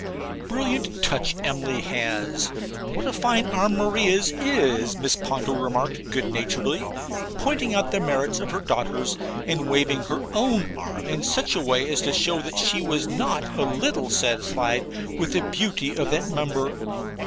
'Brilliant touch Emily has what a fine arm Maria's is,' Mrs. Ponto remarked good naturedly, pointing out the merits of her daughters, and waving her own arm in such a way as to show that she was not a little satisfied with the beauty of that member.